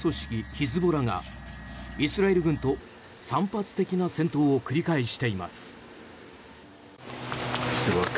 ヒズボラがイスラエル軍と散発的な戦闘を繰り返しています。